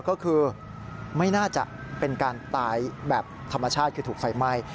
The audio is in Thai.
ก็คือไม่น่าจะเป็นการตายแบบธรรมชาติคือถูกไฟไหม้